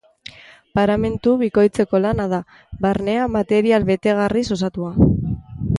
Paramentu bikoitzeko lana da, barnea material betegarriz osatua.